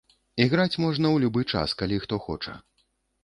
Іграць можна ў любы час, калі хто хоча.